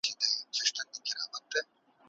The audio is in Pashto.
ماته را پاتې دې ښېرې، هغه مي بيا ياديږي